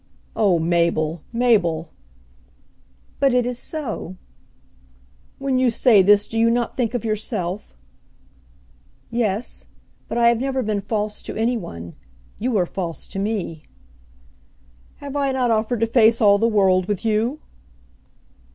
"Oh Mabel, Mabel!" "But it is so." "When you say this do you not think of yourself?" "Yes. But I have never been false to any one. You are false to me." "Have I not offered to face all the world with you?"